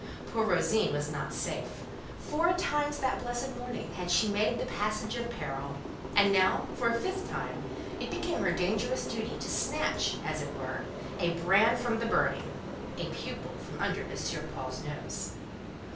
Poor Rosine was not safe: four times that blessed morning had she made the passage of peril; and now, for the fifth time, it became her dangerous duty to snatch, as it were, a brand from the burning—a pupil from under M. Paul's nose.